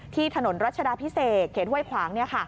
ถนนรัชดาพิเศษเขตห้วยขวาง